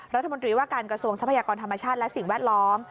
รัฐมนตรีว่าการกระทรวงทรัพยากรธรรมชาติและสิ่งแวดล้อม